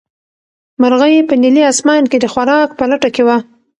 مرغۍ په نیلي اسمان کې د خوراک په لټه کې وه.